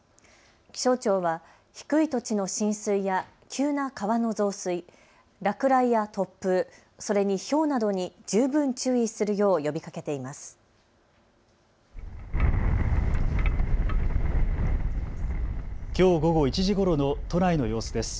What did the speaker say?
気象庁は低い土地の浸水や急な川の増水、落雷や突風、それにひょうなどに十分注意するよう呼びかけています。